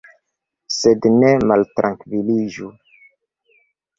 Sed ne maltrankviliĝu.